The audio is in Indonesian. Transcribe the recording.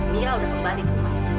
mira udah kembali ke rumah